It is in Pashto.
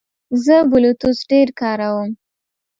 زه بلوتوث ډېر کاروم.